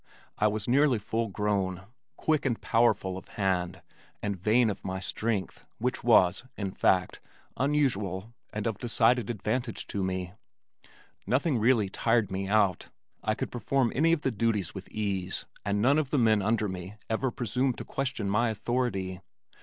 I was nearly full grown, quick and powerful of hand, and vain of my strength, which was, in fact, unusual and of decided advantage to me. Nothing ever really tired me out. I could perform any of my duties with ease, and none of the men under me ever presumed to question my authority.